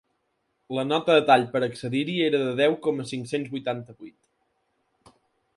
La nota de tall per a accedir-hi era de deu coma cinc-cents vuitanta-vuit.